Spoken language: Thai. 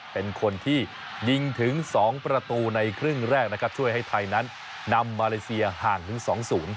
เป็นคนที่ยิงถึงสองประตูในครึ่งแรกนะครับช่วยให้ไทยนั้นนำมาเลเซียห่างถึงสองศูนย์